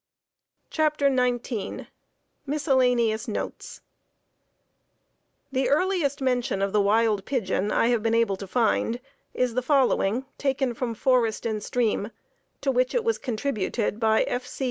CHAPTER XIX Miscellaneous Notes The earliest mention of the wild pigeon I have been able to find is the following, taken from Forest and Stream, to which it was contributed by F. C.